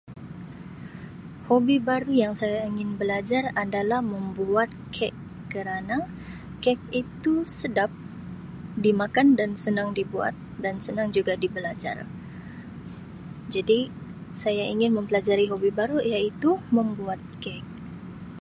Hobi baru yang saya ingin belajar adalah membuat kek kerana kek itu sedap dimakan dan senang dibuat dan senang juga dibelajar jadi saya ingin mempelajari hobi baru iaitu membuat kek.